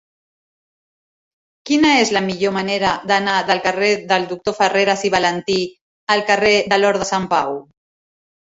Quina és la millor manera d'anar del carrer del Doctor Farreras i Valentí al carrer de l'Hort de Sant Pau?